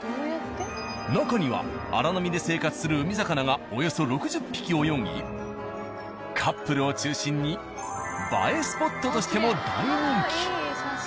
中には荒波で生活する海魚がおよそ６０匹泳ぎカップルを中心に映えスポットとしても大人気。